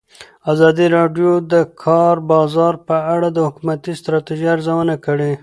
ازادي راډیو د د کار بازار په اړه د حکومتي ستراتیژۍ ارزونه کړې.